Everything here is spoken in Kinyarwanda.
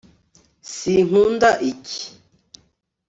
sinkunda icyi